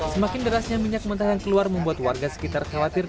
semakin derasnya minyak mentah yang keluar membuat warga sekitar khawatir